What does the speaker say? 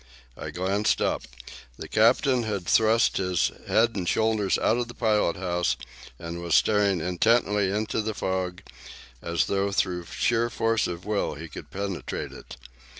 I glanced up. The captain had thrust his head and shoulders out of the pilot house, and was staring intently into the fog as though by sheer force of will he could penetrate it.